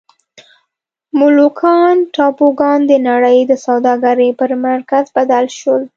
مولوکان ټاپوګان د نړۍ د سوداګرۍ پر مرکز بدل شول.